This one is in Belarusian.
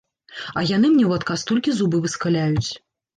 А яны мне ў адказ толькі зубы выскаляюць.